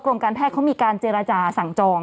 การแพทย์เขามีการเจรจาสั่งจอง